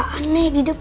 atas pecah untukmu